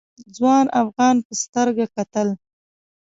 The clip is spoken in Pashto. ځوان افغان په سترګه کتل.